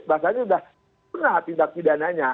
bahasanya sudah benar tindak pidana nya